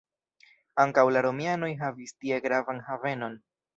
Ankaŭ la romianoj havis tie gravan havenon.